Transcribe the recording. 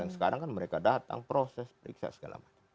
sekarang kan mereka datang proses periksa segala macam